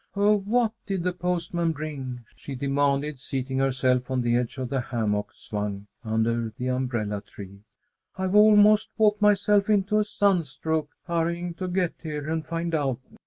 "Oh, what did the postman bring?" she demanded, seating herself on the edge of the hammock swung under the umbrella tree. "I've almost walked myself into a sunstroke, hurrying to get here and find out.